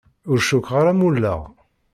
Ur cukkeɣ ara mulleɣ.